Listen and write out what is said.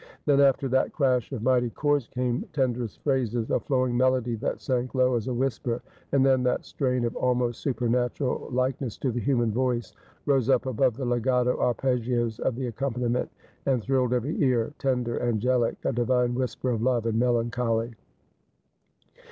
Then after that crash of mighty chords came tenderest phrases, a flowing melody that sank low as a whisper, and then that strain of almost supernatur.'il likeness to the human voice rose up above the legato arpeggios of the accompaniment, and thrilled every ear — tender, angelic, a divine whimper of love and melancholy.